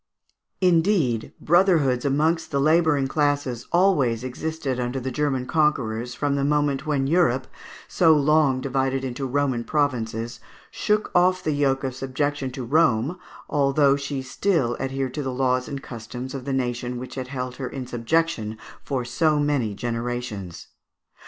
Indeed, brotherhoods amongst the labouring classes always existed under the German conquerors from the moment when Europe, so long divided into Roman provinces, shook off the yoke of subjection to Rome, although she still adhered to the laws and customs of the nation which had held her in subjection for so many generations.